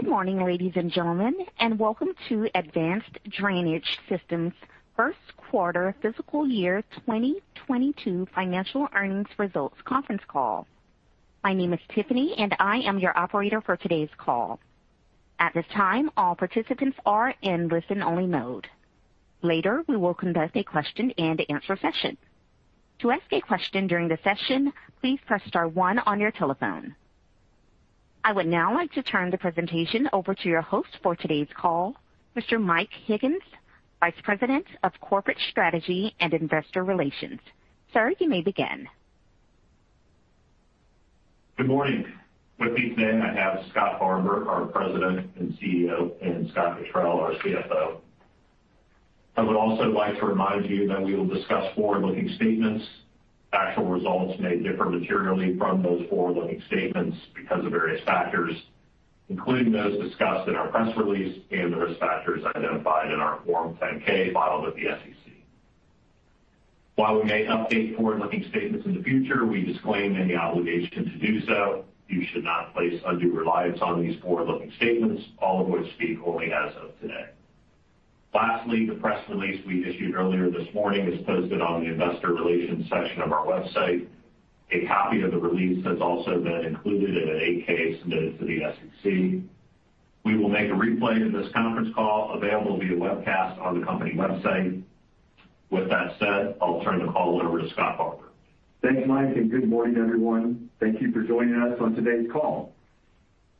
Good morning, ladies and gentlemen, and welcome to Advanced Drainage Systems' first quarter fiscal year 2022 financial earnings results conference call. My name is Tiffany, and I am your operator for today's call. At this time, all participants are in listen-only mode. Later, we will conduct a question-and-answer session. To ask a question during the session, please press star one on your telephone. I would now like to turn the presentation over to your host for today's call, Mr. Mike Higgins, Vice President of Corporate Strategy and Investor Relations. Sir, you may begin. Good morning. With me today, I have Scott Barbour, our President and CEO, and Scott Cottrill, our CFO. I would also like to remind you that we will discuss forward-looking statements. Actual results may differ materially from those forward-looking statements because of various factors, including those discussed in our press release and the risk factors identified in our Form 10-K filed with the SEC. While we may update forward-looking statements in the future, we disclaim any obligation to do so. You should not place undue reliance on these forward-looking statements, all of which speak only as of today. Lastly, the press release we issued earlier this morning is posted on the Investor Relations section of our website. A copy of the release has also been included in an 8-K submitted to the SEC. We will make a replay of this conference call available via webcast on the company website. With that said, I'll turn the call over to Scott Barbour. Thanks, Mike, and good morning, everyone. Thank you for joining us on today's call.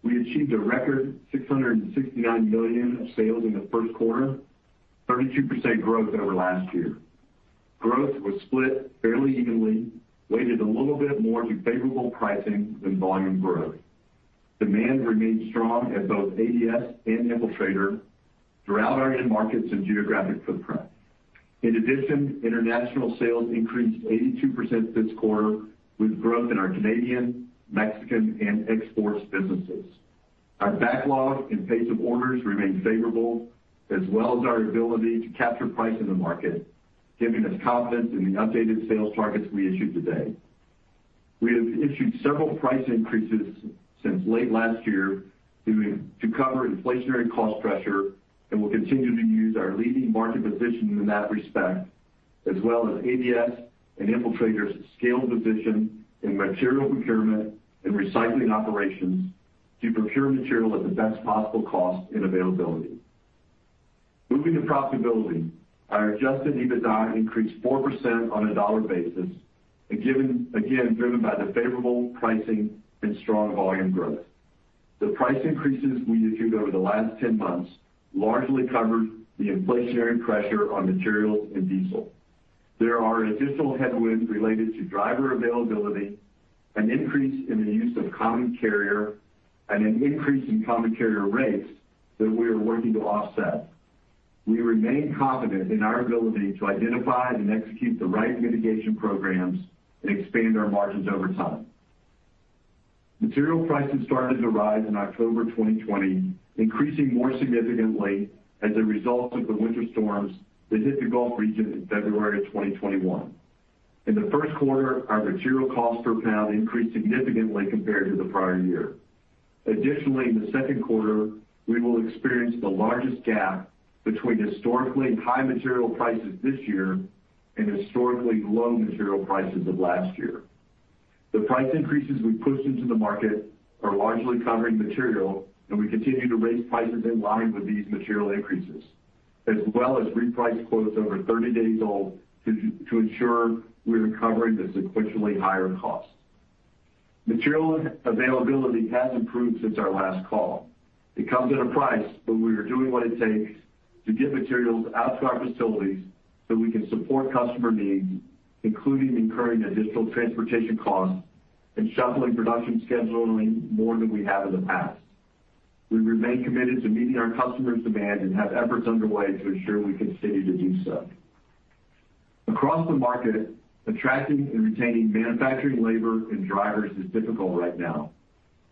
We achieved a record $669 million of sales in the first quarter, 32% growth over last year. Growth was split fairly evenly, weighted a little bit more to favorable pricing than volume growth. Demand remained strong at both ADS and in Infiltrator throughout our end markets and geographic footprint. In addition, international sales increased 82% this quarter, with growth in our Canadian, Mexican, and exports businesses. Our backlog and pace of orders remain favorable, as well as our ability to capture price in the market, giving us confidence in the updated sales targets we issued today. We have issued several price increases since late last year to cover inflationary cost pressure and will continue to use our leading market position in that respect, as well as ADS and Infiltrator's scale position in material procurement and recycling operations to procure material at the best possible cost and availability. Moving to profitability, our adjusted EBITDA increased 4% on a dollar basis, again, driven by the favorable pricing and strong volume growth. The price increases we issued over the last 10 months largely covered the inflationary pressure on materials and diesel. There are additional headwinds related to driver availability, an increase in the use of common carrier, and an increase in common carrier rates that we are working to offset. We remain confident in our ability to identify and execute the right mitigation programs and expand our margins over time. Material prices started to rise in October 2020, increasing more significantly as a result of the winter storms that hit the Gulf region in February of 2021. In the first quarter, our material cost per pound increased significantly compared to the prior year. Additionally, in the second quarter, we will experience the largest gap between historically high material prices this year and historically low material prices of last year. The price increases we pushed into the market are largely covering material, and we continue to raise prices in line with these material increases, as well as reprice quotes over 30 days old to ensure we are covering the sequentially higher cost. Material availability has improved since our last call. It comes at a price, but we are doing what it takes to get materials out to our facilities so we can support customer needs, including incurring additional transportation costs and shuffling production scheduling more than we have in the past. We remain committed to meeting our customers' demand and have efforts underway to ensure we continue to do so. Across the market, attracting and retaining manufacturing labor and drivers is difficult right now.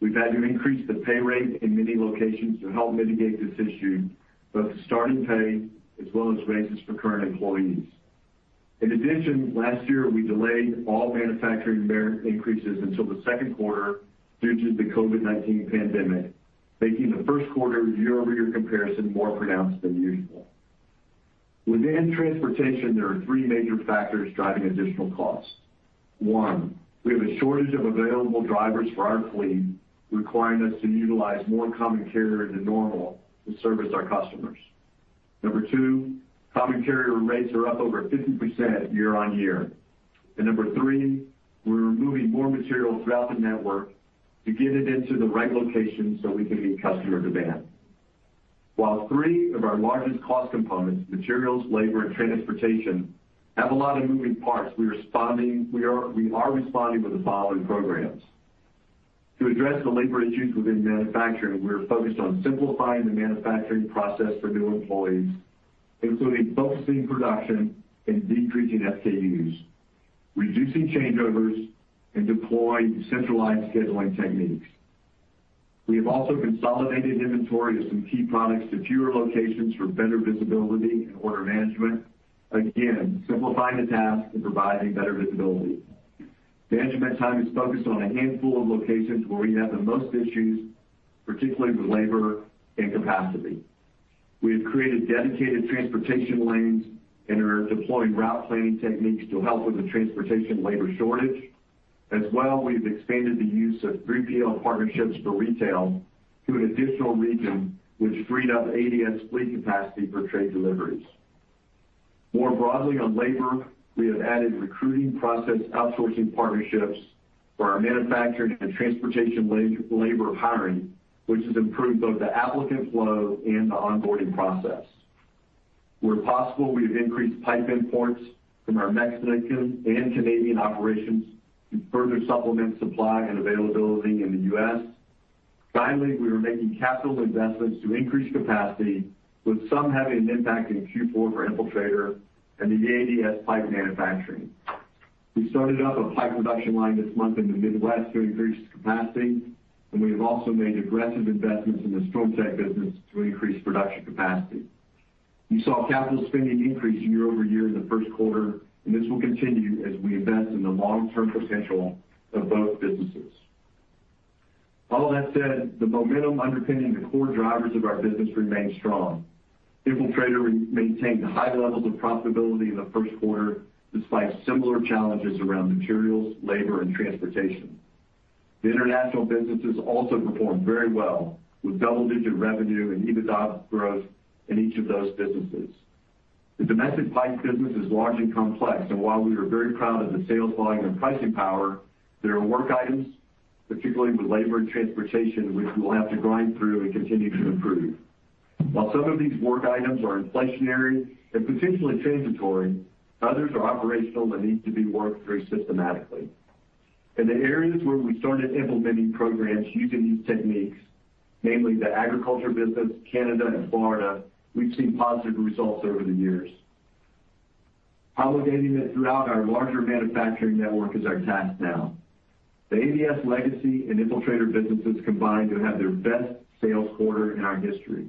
We've had to increase the pay rate in many locations to help mitigate this issue, both the starting pay as well as raises for current employees. In addition, last year, we delayed all manufacturing merit increases until the second quarter due to the COVID-19 pandemic, making the first quarter year-over-year comparison more pronounced than usual. Within transportation, there are three major factors driving additional costs. One, we have a shortage of available drivers for our fleet, requiring us to utilize more common carrier than normal to service our customers. Number two, common carrier rates are up over 50% year-on-year. Number three, we're moving more material throughout the network to get it into the right location so we can meet customer demand. While three of our largest cost components, materials, labor, and transportation, have a lot of moving parts, we are responding with the following programs. To address the labor issues within manufacturing, we are focused on simplifying the manufacturing process for new employees, including focusing production and decreasing SKUs, reducing changeovers, and deploying centralized scheduling techniques. We have also consolidated inventory of some key products to fewer locations for better visibility and order management. Again, simplifying the task and providing better visibility. Management time is focused on a handful of locations where we have the most issues, particularly with labor and capacity. We have created dedicated transportation lanes and are deploying route planning techniques to help with the transportation labor shortage. As well, we've expanded the use of 3PL partnerships for retail to an additional region, which freed up ADS fleet capacity for trade deliveries. More broadly on labor, we have added recruiting process outsourcing partnerships for our manufacturing and transportation labor hiring, which has improved both the applicant flow and the onboarding process. Where possible, we have increased pipe imports from our Mexican and Canadian operations to further supplement supply and availability in the U.S.. Finally, we are making capital investments to increase capacity, with some having an impact in Q4 for Infiltrator and the ADS pipe manufacturing. We started up a pipe production line this month in the Midwest to increase capacity, and we have also made aggressive investments in the StormTech business to increase production capacity. We saw capital spending increase year-over-year in the first quarter, and this will continue as we invest in the long-term potential of both businesses. All that said, the momentum underpinning the core drivers of our business remains strong. Infiltrator maintained high levels of profitability in the first quarter, despite similar challenges around materials, labor, and transportation. The international businesses also performed very well, with double-digit revenue and EBITDA growth in each of those businesses. The domestic pipe business is large and complex, and while we are very proud of the sales volume and pricing power, there are work items, particularly with labor and transportation, which we'll have to grind through and continue to improve. While some of these work items are inflationary and potentially transitory, others are operational and need to be worked through systematically. In the areas where we started implementing programs using these techniques, namely the agriculture business, Canada, and Florida, we've seen positive results over the years. Propagating it throughout our larger manufacturing network is our task now. The ADS legacy and Infiltrator businesses combined to have their best sales quarter in our history.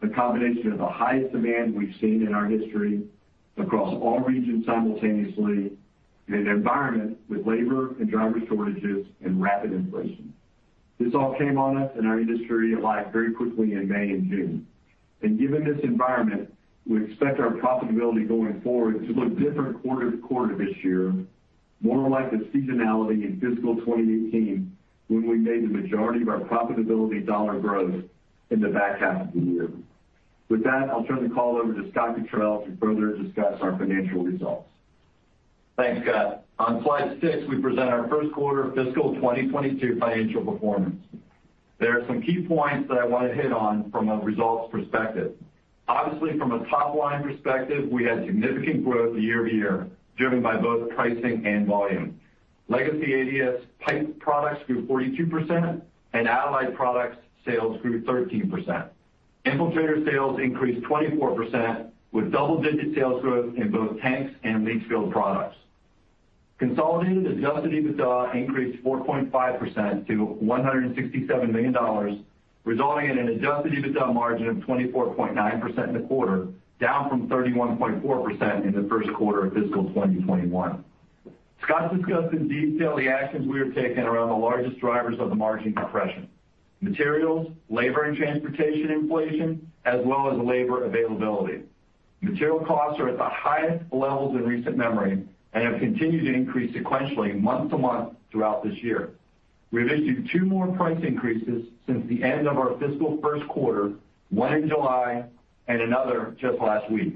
A combination of the highest demand we've seen in our history across all regions simultaneously in an environment with labor and driver shortages and rapid inflation. This all came on us and our industry alike very quickly in May and June. Given this environment, we expect our profitability going forward to look different quarter to quarter this year, more like the seasonality in fiscal 2018 when we made the majority of our profitability dollar growth in the back half of the year. With that, I'll turn the call over to Scott Cottrill to further discuss our financial results. Thanks, Scott. On slide six, we present our first quarter fiscal 2022 financial performance. There are some key points that I want to hit on from a results perspective. Obviously, from a top-line perspective, we had significant growth year-over-year, driven by both pricing and volume. Legacy ADS pipe products grew 42%, and Allied Products sales grew 13%. Infiltrator sales increased 24%, with double-digit sales growth in both tanks and leach field products. Consolidated adjusted EBITDA increased 4.5% to $167 million, resulting in an adjusted EBITDA margin of 24.9% in the quarter, down from 31.4% in the first quarter of fiscal 2021. Scott discussed in detail the actions we have taken around the largest drivers of the margin compression: materials, labor and transportation inflation, as well as labor availability. Material costs are at the highest levels in recent memory and have continued to increase sequentially month-to-month throughout this year. We've issued two more price increases since the end of our fiscal first quarter, one in July and another just last week.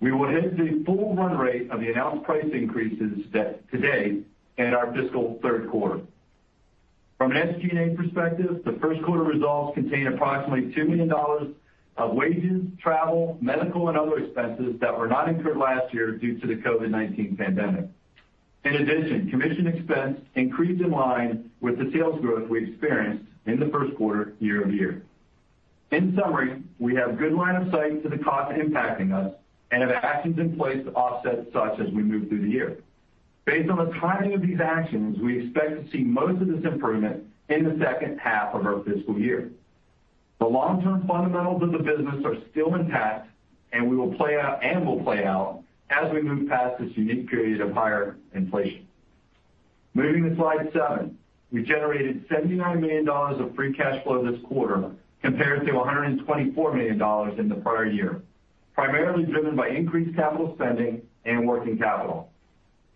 We will hit the full run-rate of the announced price increases today in our fiscal third quarter. From an SG&A perspective, the first quarter results contain approximately $2 million of wages, travel, medical, and other expenses that were not incurred last year due to the COVID-19 pandemic. In addition, commission expense increased in line with the sales growth we experienced in the first quarter year over year. In summary, we have good line of sight to the costs impacting us and have actions in place to offset such as we move through the year. Based on the timing of these actions, we expect to see most of this improvement in the second half of our fiscal year. The long-term fundamentals of the business are still intact, and will play out as we move past this unique period of higher inflation. Moving to slide seven. We generated $79 million of free cash flow this quarter compared to $124 million in the prior year, primarily driven by increased capital spending and working capital.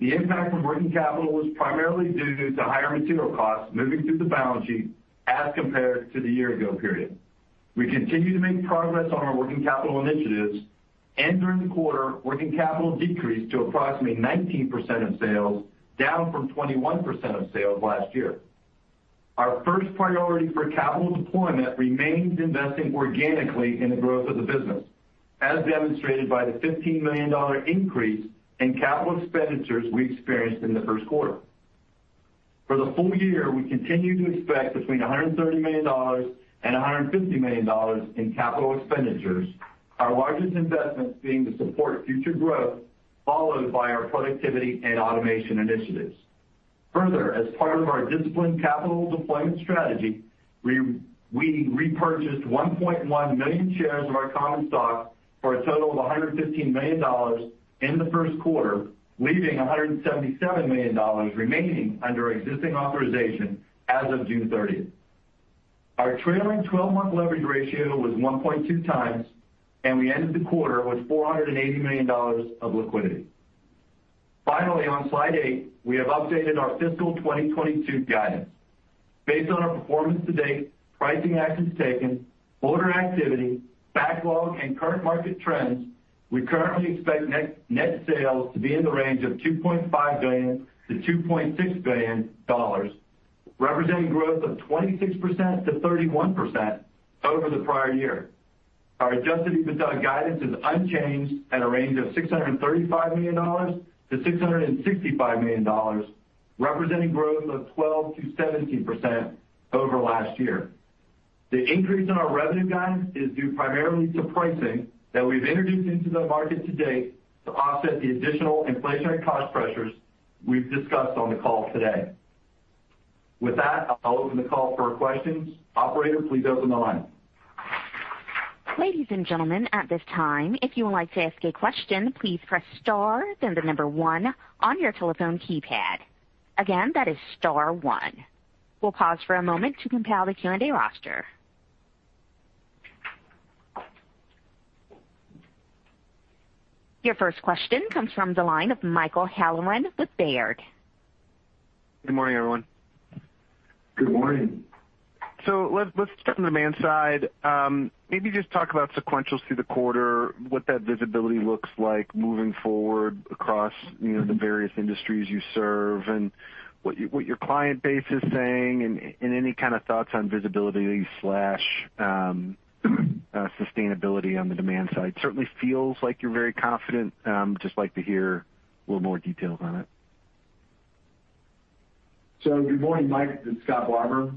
The impact from working capital was primarily due to higher material costs moving through the balance sheet as compared to the year ago period. We continue to make progress on our working capital initiatives, and during the quarter, working capital decreased to approximately 19% of sales, down from 21% of sales last year. Our first priority for capital deployment remains investing organically in the growth of the business, as demonstrated by the $15 million increase in capital expenditures we experienced in the first quarter. For the full year, we continue to expect between $130 million and $150 million in capital expenditures, our largest investments being to support future growth, followed by our productivity and automation initiatives. Further, as part of our disciplined capital deployment strategy, we repurchased 1.1 million shares of our common stock for a total of $115 million in the first quarter, leaving $177 million remaining under existing authorization as of June 30th. Our trailing 12-month leverage ratio was 1.2x, and we ended the quarter with $480 million of liquidity. Finally, on slide eight, we have updated our fiscal 2022 guidance. Based on our performance to-date, pricing actions taken, order activity, backlog, and current market trends, we currently expect net sales to be in the range of $2.5 billion-$2.6 billion, representing growth of 26%-31% over the prior year. Our adjusted EBITDA guidance is unchanged at a range of $635 million-$665 million, representing growth of 12%-17% over last year. The increase in our revenue guidance is due primarily to pricing that we've introduced into the market to date to offset the additional inflationary cost pressures we've discussed on the call today. With that, I'll open the call for questions. Operator, please open the line. Ladies and gentlemen, at this time, if you would like to ask a question, please press star then the number one on your telephone keypad. Again, that is star one. We'll pause for a moment to compile the Q&A roster. Your first question comes from the line of Michael Halloran with Baird. Good morning, everyone. Good morning. Let's start on the demand side. Maybe just talk about sequential through the quarter, what that visibility looks like moving forward across the various industries you serve, and what your client base is saying, and any kind of thoughts on visibility/sustainability on the demand side. Certainly feels like you're very confident. Just like to hear a little more details on it. Good morning, Mike. This is Scott Barbour.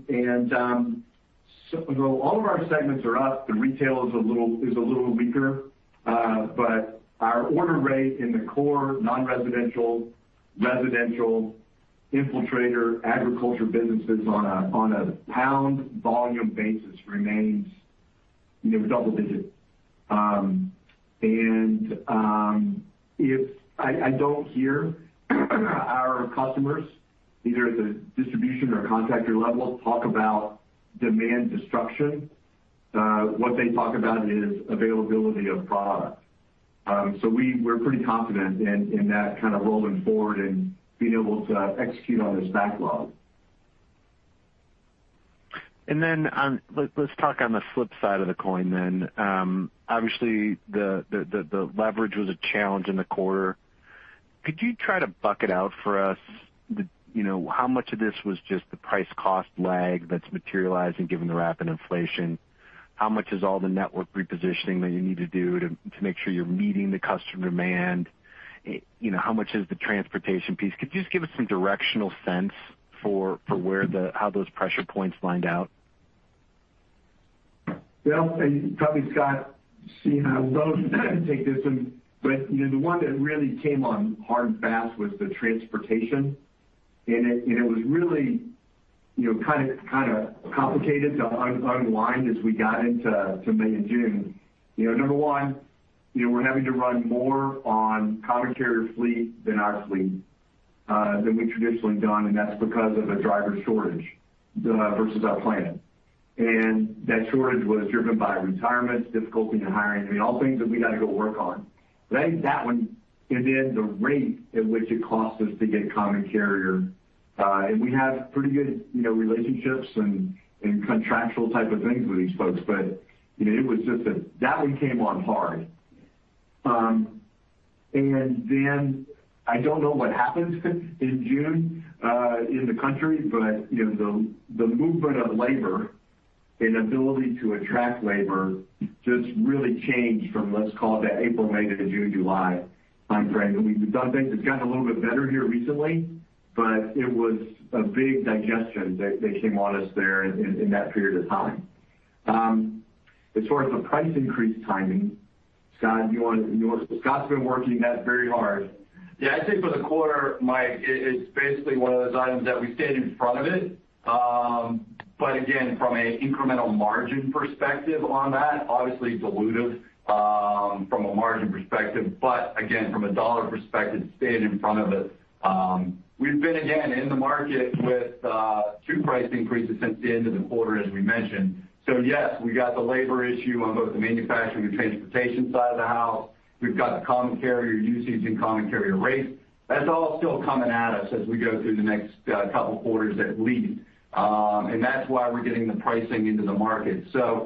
All of our segments are up. The retail is a little weaker. Our order rate in the core non-residential, residential, Infiltrator, agriculture businesses on a pound volume basis remains double digit. I don't hear our customers, either at the distribution or contractor level, talk about demand destruction. What they talk about is availability of product. We're pretty confident in that kind of rolling forward and being able to execute on this backlog. Let's talk on the flip side of the coin then. Obviously, the leverage was a challenge in the quarter. Could you try to bucket out for us how much of this was just the price cost lag that's materialized and given the rapid inflation? How much is all the network repositioning that you need to do to make sure you're meeting the customer demand? How much is the transportation piece? Could you just give us some directional sense for how those pressure points lined out? Scott and probably Scott, seeing how loaded I take this in, the one that really came on hard and fast was the transportation, and it was really kind of complicated to unwind as we got into May and June. Number one, we're having to run more on common carrier fleet than our fleet than we've traditionally done, and that's because of a driver shortage versus our plan. That shortage was driven by retirement, difficulty in hiring. I mean, all things that we got to go work on. I think that one, and then the rate at which it costs us to get common carrier. We have pretty good relationships and contractual type of things with these folks, but it was just that we came on hard. I don't know what happens in June in the country, but the movement of labor and ability to attract labor just really changed from, let's call it that April, May to June, July time frame. We've done things. It's gotten a little bit better here recently, but it was a big digestion that came on us there in that period of time. As far as the price increase timing, Scott's been working that very hard. Yeah, I'd say for the quarter, Mike, it's basically one of those items that we stayed in front of it. Again, from an incremental margin perspective on that, obviously dilutive from a margin perspective, but again, from a dollar perspective, stayed in front of it. We've been, again, in the market with two price increases since the end of the quarter, as we mentioned. Yes, we got the labor issue on both the manufacturing and transportation side of the house. We've got the common carrier usage and common carrier rates. That's all still coming at us as we go through the next couple quarters at least. That's why we're getting the pricing into the market.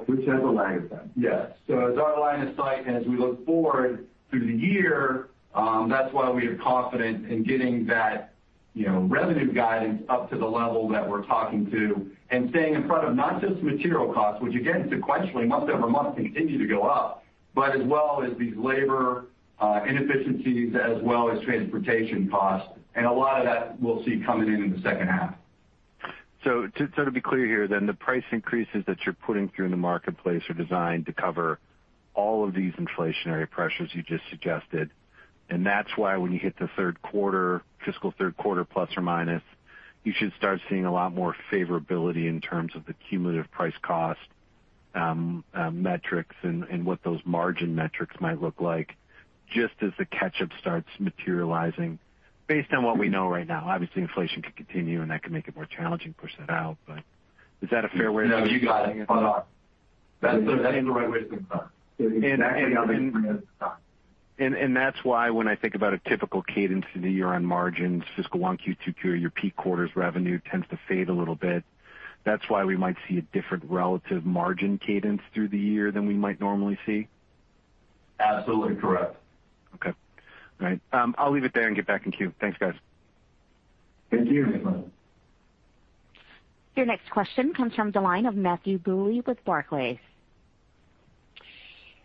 Which has a lag effect. Yes. As our line of sight, and as we look forward through the year, that's why we are confident in getting that revenue guidance up to the level that we're talking to and staying in front of not just material costs, which again, sequentially month-over-month continue to go up, but as well as these labor inefficiencies as well as transportation costs. A lot of that we'll see coming in in the second half. To be clear here then, the price increases that you're putting through in the marketplace are designed to cover all of these inflationary pressures you just suggested, and that's why when you hit the third quarter, fiscal third quarter plus or minus, you should start seeing a lot more favorability in terms of the cumulative price cost metrics and what those margin metrics might look like just as the catch-up starts materializing based on what we know right now. Obviously, inflation could continue, and that could make it more challenging, push that out. Is that a fair way to think about it? No, you got it. Spot on. That is the right way to think about it. That's why when I think about a typical cadence of the year on margins, fiscal one, Q2, Q3 are your peak quarters, revenue tends to fade a little bit. That's why we might see a different relative margin cadence through the year than we might normally see? Absolutely correct. Okay. All right. I'll leave it there and get back in queue. Thanks, guys. Thank you. Your next question comes from the line of Matthew Bouley with Barclays.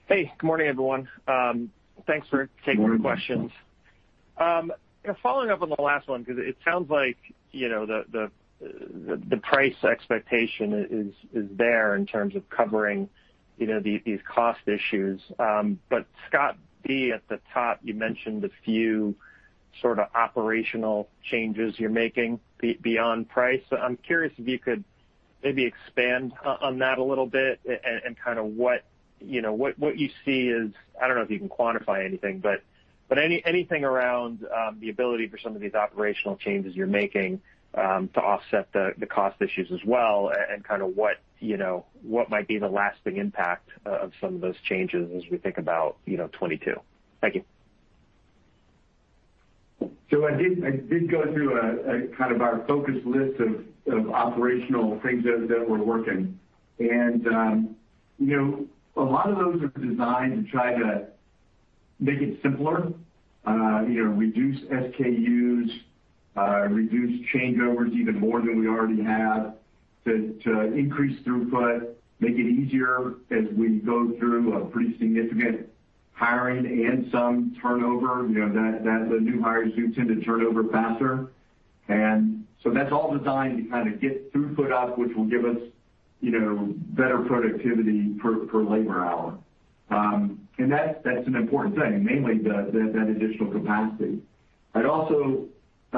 Hey, good morning, everyone. Thanks for taking the questions. Following up on the last one, because it sounds like the price expectation is there in terms of covering these cost issues. Scott B., at the top, you mentioned a few sort of operational changes you're making beyond price. I'm curious if you could maybe expand on that a little bit and kind of what you see as, I don't know if you can quantify anything, but anything around the ability for some of these operational changes you're making to offset the cost issues as well and kind of what might be the lasting impact of some of those changes as we think about 2022. Thank you. I did go through kind of our focused list of operational things that we're working. A lot of those are designed to try to make it simpler, reduce SKUs, reduce changeovers even more than we already have to increase throughput, make it easier as we go through a pretty significant hiring and some turnover. The new hires do tend to turnover faster. That's all designed to kind of get throughput up, which will give us better productivity per labor hour. That's an important thing, mainly that additional capacity. I'd also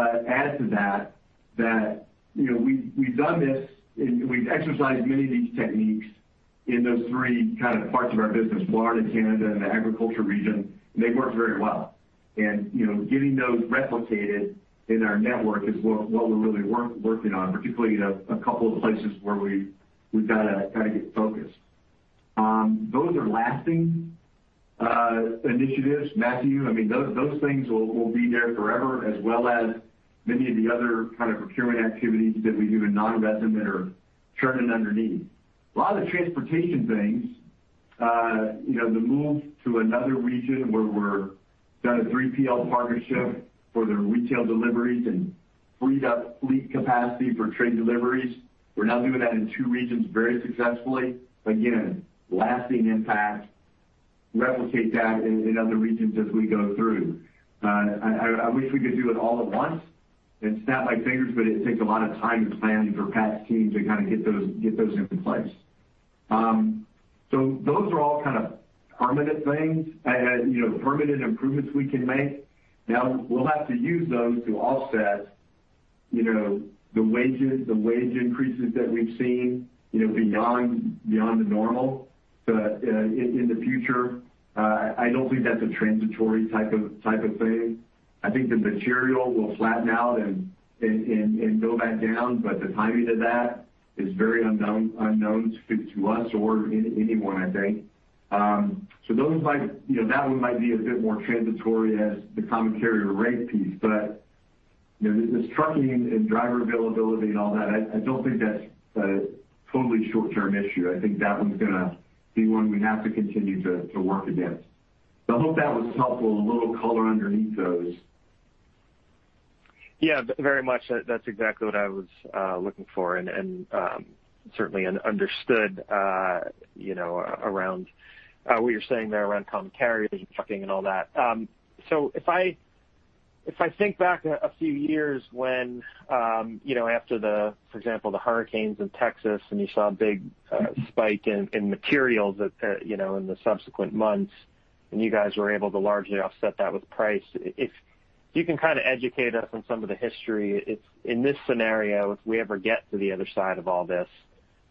add to that we've done this and we've exercised many of these techniques in those three kind of parts of our business, Florida, Canada, and the agriculture region, and they work very well. Getting those replicated in our network is what we're really working on, particularly in a couple of places where we've got to kind of get focused. Those are lasting initiatives, Matthew. I mean, those things will be there forever as well as many of the other kind of procurement activities that we do in non-resident that are churning underneath. A lot of the transportation things, the move to another region where we're done a 3PL partnership for their retail deliveries and freed up fleet capacity for trade deliveries. We're now doing that in two regions very successfully. Again, lasting impact, replicate that in other regions as we go through. I wish we could do it all at once and snap my fingers, but it takes a lot of time to plan for, a lot of time to get those into place. Those are all kind of permanent things, permanent improvements we can make. We'll have to use those to offset the wage increases that we've seen beyond the normal. In the future, I don't think that's a transitory type of thing. I think the material will flatten out and go back down, but the timing of that is very unknown to us or anyone, I think. That one might be a bit more transitory as the common carrier rate piece. This trucking and driver availability and all that, I don't think that's a totally short-term issue. I think that one's gonna be one we have to continue to work against. I hope that was helpful, a little color underneath those. Yeah, very much. That is exactly what I was looking for and certainly understood what you are saying there around common carrier trucking and all that. If I think back a few years when after the, for example, the hurricanes in Texas, and you saw a big spike in materials in the subsequent months, and you guys were able to largely offset that with price. If you can kind of educate us on some of the history, in this scenario, if we ever get to the other side of all this,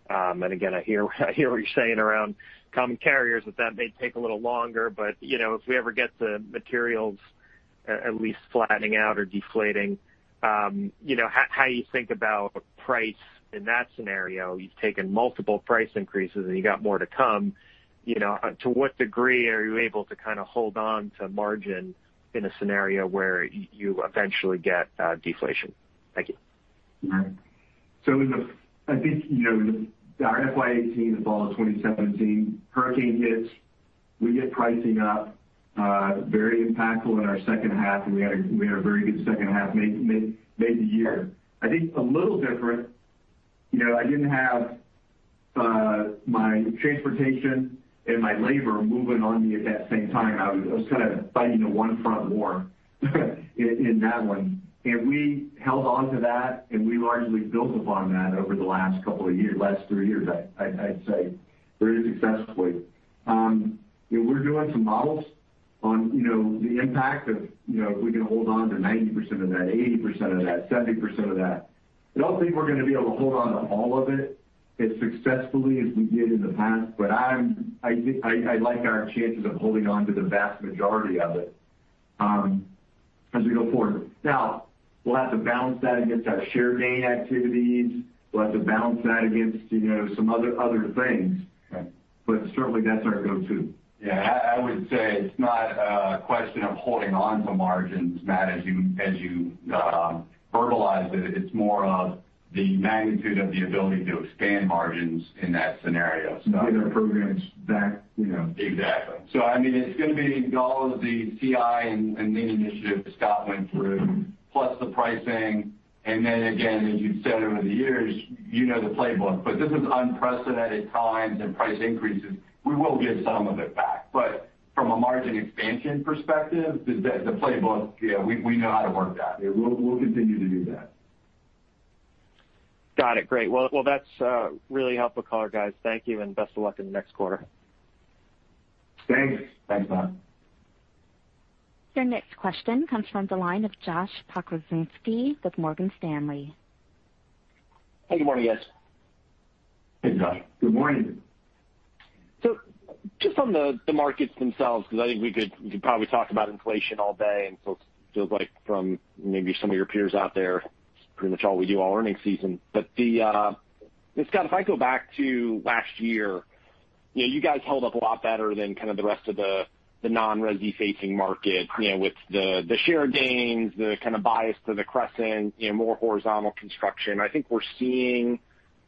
and again, I hear what you are saying around common carriers, that may take a little longer. If we ever get to materials at least flattening out or deflating, how you think about price in that scenario? You have taken multiple price increases, and you got more to come. To what degree are you able to kind of hold on to margin in a scenario where you eventually get deflation? Thank you. I think our FY 2018, the fall of 2017, hurricane hits, we get pricing up, very impactful in our second half, and we had a very good second half, made the year. I think a little different. My transportation and my labor moving on me at that same time, I was kind of fighting a one-front war in that one. We held on to that, and we largely built upon that over the last couple of years, last three years, I'd say, very successfully. We're doing some models on the impact of if we can hold on to 90% of that, 80% of that, 70% of that. I don't think we're going to be able to hold on to all of it as successfully as we did in the past, but I like our chances of holding on to the vast majority of it as we go forward. We'll have to balance that against our share gain activities. We'll have to balance that against some other things. Right. Certainly, that's our go-to. Yeah. I would say it's not a question of holding on to margins, Matt, as you verbalize it. It's more of the magnitude of the ability to expand margins in that scenario. Build our programs back. Exactly. It's going to be all of the CI and lean initiatives that Scott went through, plus the pricing. Again, as you've said over the years, you know the playbook. This is unprecedented times and price increases. We will get some of it back. From a margin expansion perspective, the playbook, we know how to work that. Yeah. We'll continue to do that. Got it. Great. Well, that's really helpful color, guys. Thank you, and best of luck in the next quarter. Thanks. Thanks, Matt. Your next question comes from the line of Josh Pokrzywinski with Morgan Stanley. Hey, good morning, guys. Hey, Josh. Good morning. Just on the markets themselves, because I think we could probably talk about inflation all day. It feels like from maybe some of your peers out there, it's pretty much all we do all earnings season. Scott, if I go back to last year, you guys held up a lot better than kind of the rest of the non-resi facing market with the share gains, the kind of bias to the crescent, more horizontal construction. I think we're seeing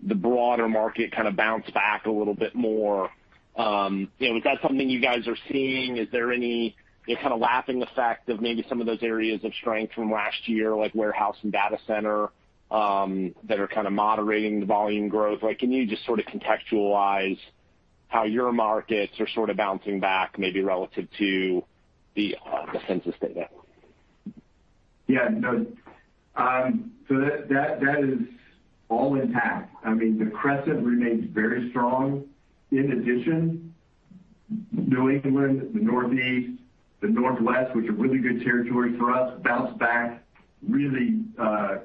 the broader market kind of bounce back a little bit more. Is that something you guys are seeing? Is there any kind of lapping effect of maybe some of those areas of strength from last year, like warehouse and data center, that are kind of moderating the volume growth? Can you just sort of contextualize how your markets are sort of bouncing back, maybe relative to the census data? Yeah. That is all intact. The crescent remains very strong. In addition, New England, the Northeast, the Northwest, which are really good territories for us, bounced back really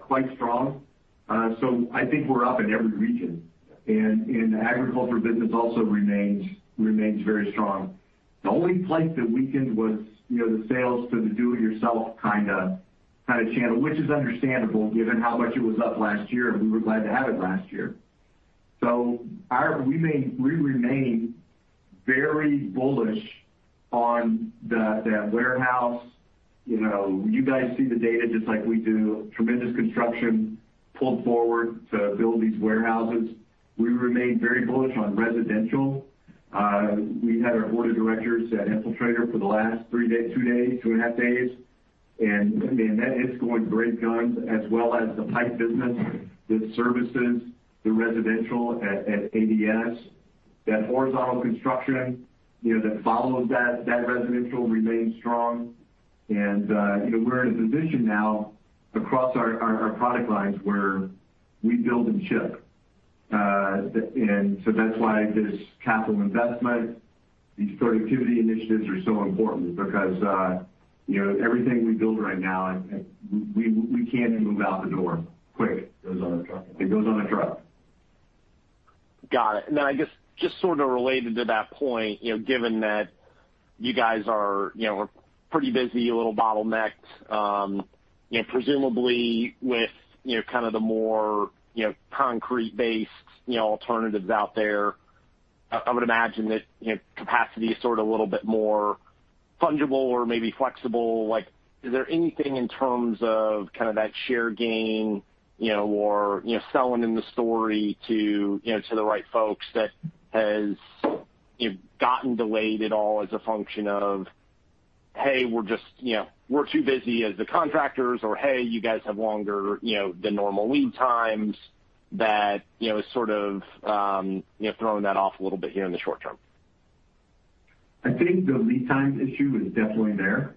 quite strong. I think we're up in every region. The agriculture business also remains very strong. The only place that weakened was the sales to the do it yourself kind of channel, which is understandable given how much it was up last year, and we were glad to have it last year. We remain very bullish on the warehouse. You guys see the data just like we do. Tremendous construction pulled forward to build these warehouses. We remain very bullish on residential. We had our Board of Directors at Infiltrator for the last two and a half days, and man, that is going great guns, as well as the pipe business that services the residential at ADS. That horizontal construction that follows that residential remains strong. We're in a position now across our product lines where we build and ship. That's why this capital investment, these productivity initiatives are so important, because everything we build right now, we can't move out the door quick. It goes on a truck. It goes on a truck. Got it. Then I guess just sort of related to that point, given that you guys are pretty busy, a little bottlenecked. Presumably with kind of the more concrete-based alternatives out there, I would imagine that capacity is sort of a little bit more fungible or maybe flexible. Is there anything in terms of that share gain or selling in the story to the right folks that has gotten delayed at all as a function of, hey, we're too busy as the contractors, or, hey, you guys have longer than normal lead times that is sort of throwing that off a little bit here in the short term? I think the lead times issue is definitely there.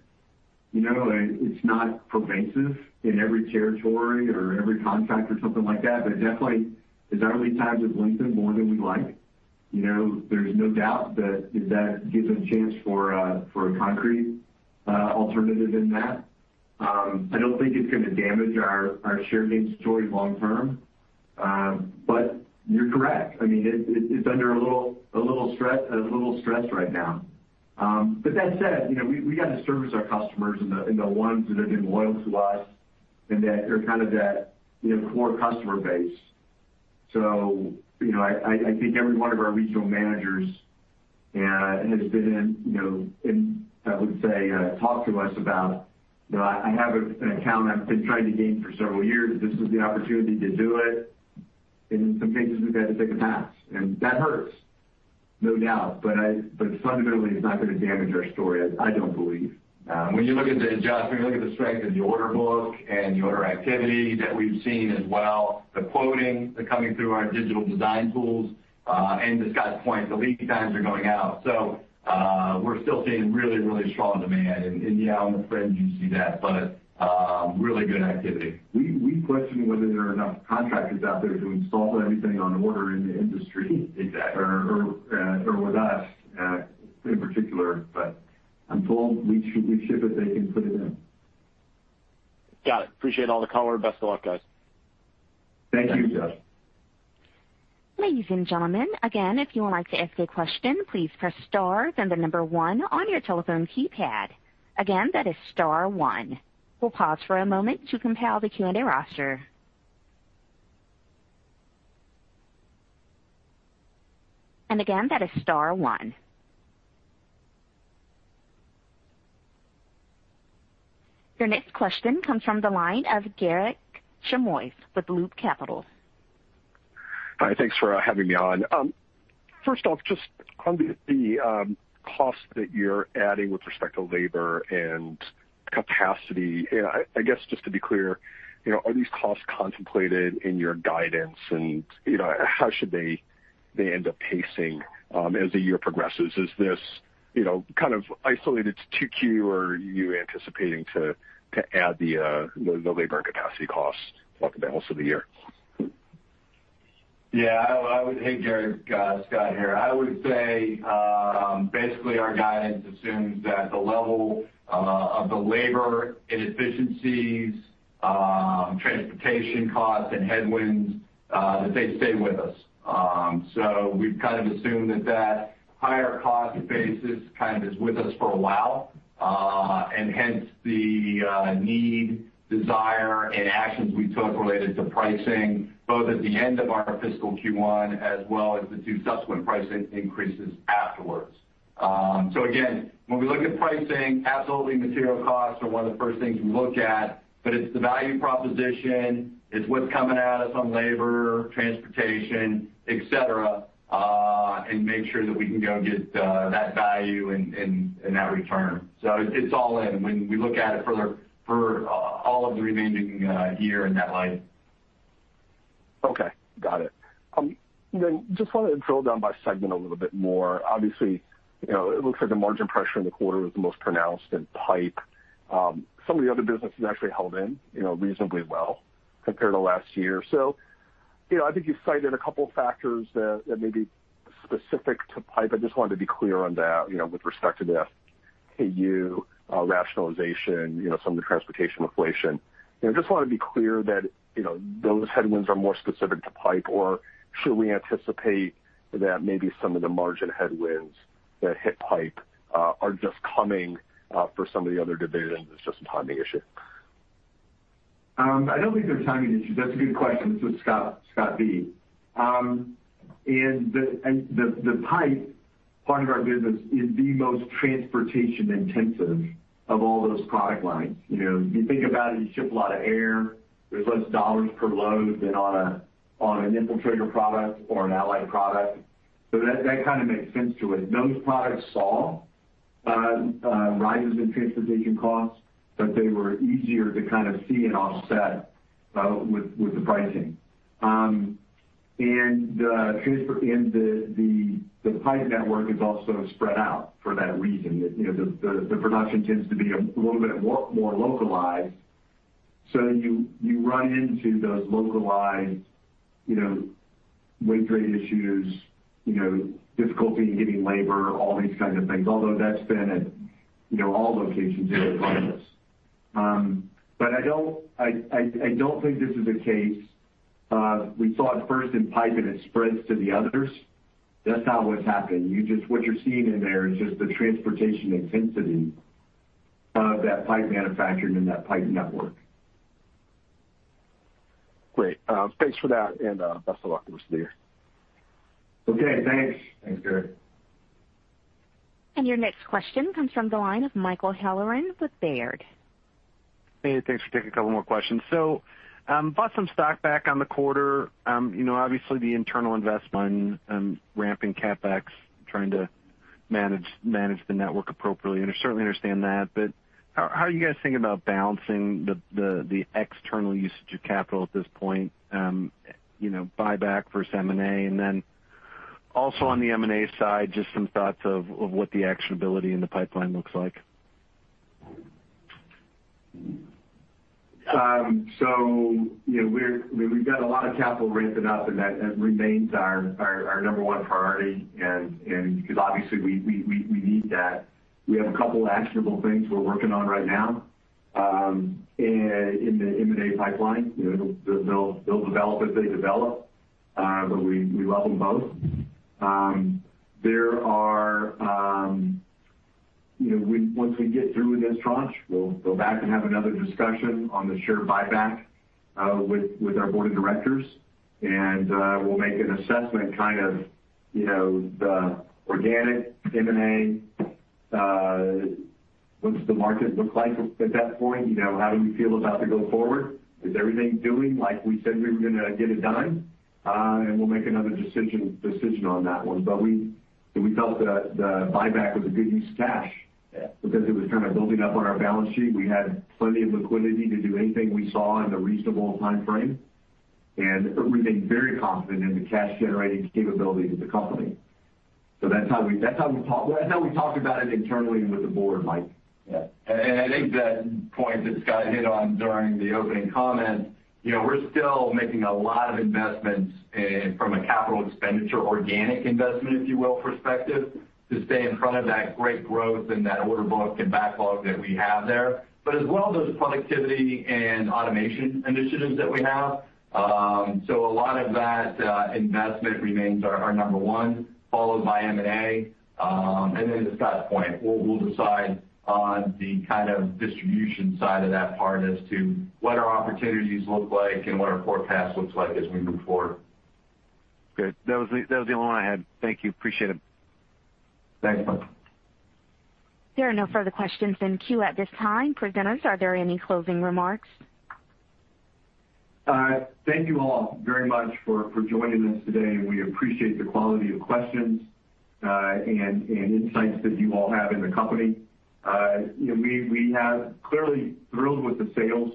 It's not pervasive in every territory or every contract or something like that, but definitely, our lead times have lengthened more than we like. There's no doubt that that gives a chance for a concrete alternative in that. I don't think it's going to damage our share gain story long term. You're correct. It's under a little stress right now. That said, we got to service our customers and the ones that have been loyal to us and that are kind of that core customer base. I think every one of our regional managers has been in, I would say, talk to us about, I have an account I've been trying to gain for several years. This is the opportunity to do it. In some cases, we've had to take a pass, and that hurts. No doubt, fundamentally, it's not going to damage our story, I don't believe. When you look at the, Josh, when you look at the strength of the order book and the order activity that we've seen as well, the quoting, the coming through our digital design tools, and to Scott's point, the lead times are going out. We're still seeing really strong demand. Yeah, on the fringe, you see that, but really good activity. We question whether there are enough contractors out there to install everything on order in the industry. Exactly With us in particular, but I'm told we ship it, they can put it in. Got it. Appreciate all the color. Best of luck, guys. Thank you, Josh. Ladies and gentlemen, again, if you would like to ask a question, please press star then the number one on your telephone keypad. Again, that is star one. We'll pause for a moment to compile the Q&A roster. Again, that is star one. Your next question comes from the line of Garik Shmois with Loop Capital. Hi, thanks for having me on. First off, just on the cost that you're adding with respect to labor and capacity, I guess just to be clear, are these costs contemplated in your guidance? How should they end up pacing as the year progresses? Is this kind of isolated to 2Q, or are you anticipating to add the labor and capacity costs throughout the rest of the year? Yeah. Hey, Garik. Scott here. I would say, basically, our guidance assumes that the level of the labor inefficiencies, transportation costs, and headwinds, that they stay with us. We've kind of assumed that that higher cost basis kind of is with us for a while, and hence the need, desire, and actions we took related to pricing, both at the end of our fiscal Q1 as well as the two subsequent price increases afterwards. Again, when we look at pricing, absolutely material costs are one of the first things we look at, but it's the value proposition, it's what's coming at us on labor, transportation, et cetera, and make sure that we can go get that value and that return. It's all in when we look at it for all of the remaining year in that light. Okay. Got it. Just wanted to drill down by segment a little bit more. Obviously, it looks like the margin pressure in the quarter was the most pronounced in pipe. Some of the other businesses actually held in reasonably well compared to last year. I think you've cited a couple of factors that may be specific to pipe. I just wanted to be clear on that, with respect to the SKU rationalization, some of the transportation inflation. Just want to be clear that those headwinds are more specific to pipe, or should we anticipate that maybe some of the margin headwinds that hit pipe are just coming for some of the other divisions, it's just a timing issue? I don't think they're a timing issue. That's a good question. This is Scott B. The pipe part of our business is the most transportation-intensive of all those product lines. You think about it, you ship a lot of air. There's less dollars per load than on an Infiltrator product or an Allied Product. That kind of makes sense to it. Those products saw rises in transportation costs, they were easier to kind of see and offset with the pricing. The pipe network is also spread out for that reason. The production tends to be a little bit more localized, you run into those localized wage grade issues, difficulty in getting labor, all these kind of things. Although that's been at all locations in the crisis. I don't think this is a case of we saw it first in pipe and it spreads to the others. That's not what's happened. What you're seeing in there is just the transportation intensity of that pipe manufacturing and that pipe network. Great. Thanks for that, and best of luck the rest of the year. Okay, thanks. Thanks, Garik. Your next question comes from the line of Michael Halloran with Baird. Thanks for taking a couple more questions. Bought some stock back on the quarter. Obviously, the internal investment and ramping CapEx, trying to manage the network appropriately, and I certainly understand that. How are you guys thinking about balancing the external usage of capital at this point, buyback versus M&A? Also on the M&A side, just some thoughts of what the actionability in the pipeline looks like. We've got a lot of capital raise it up, and that remains our number one priority, because obviously we need that. We have a couple actionable things we're working on right now in the M&A pipeline. They'll develop as they develop. We love them both. Once we get through this tranche, we'll go back and have another discussion on the share buyback with our board of directors, and we'll make an assessment, kind of the organic M&A. What does the market look like at that point? How do we feel about the go forward? Is everything doing like we said we were going to get it done? We'll make another decision on that one. We felt the buyback was a good use of cash because it was kind of building up on our balance sheet. We had plenty of liquidity to do anything we saw in a reasonable timeframe, and we remain very confident in the cash-generating capabilities of the company. That's how we talked about it internally with the Board, Mike. Yeah. I think that point that Scott hit on during the opening comments, we're still making a lot of investments from a capital expenditure, organic investment, if you will, perspective, to stay in front of that great growth and that order book and backlog that we have there. As well, those productivity and automation initiatives that we have. A lot of that investment remains our number pne, followed by M&A. To Scott's point, we'll decide on the kind of distribution side of that part as to what our opportunities look like and what our forecast looks like as we move forward. Good. That was the only one I had. Thank you. Appreciate it. Thanks, Mike. There are no further questions in queue at this time. Presenters, are there any closing remarks? Thank you all very much for joining us today, and we appreciate the quality of questions and insights that you all have in the company. We have clearly thrilled with the sales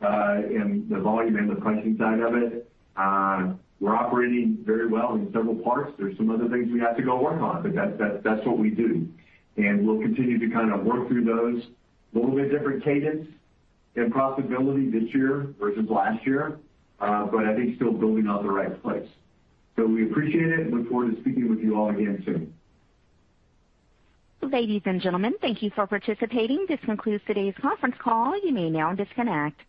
and the volume and the pricing side of it. We're operating very well in several parts. There's some other things we have to go work on, but that's what we do. We'll continue to kind of work through those. A little bit different cadence and profitability this year versus last year. I think still building out the right place. We appreciate it and look forward to speaking with you all again soon. Ladies and gentlemen, thank you for participating. This concludes today's conference call. You may now disconnect.